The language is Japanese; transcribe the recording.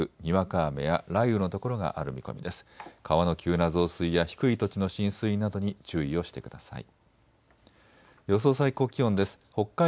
川の急な増水や低い土地の浸水などに注意をしてください。